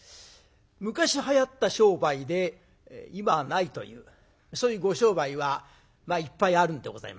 昔はやった商売で今はないというそういうご商売はいっぱいあるんでございますが。